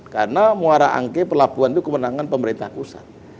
karena muara angke pelabuhan itu kemenangan pemerintah pusat